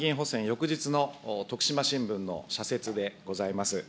翌日の徳島新聞の社説でございます。